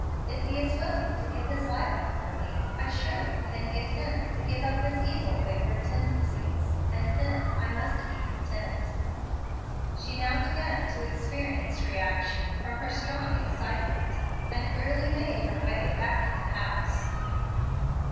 If he is willing to give his life up for me, I surely can get him to give up his evil, wayward tendencies, and then I must be content." She now began to experience reaction from her strong excitement, and wearily made her way back to the house.